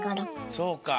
そうか。